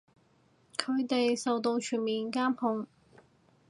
佢哋受到全面監控